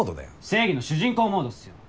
正義の主人公モードっすよ。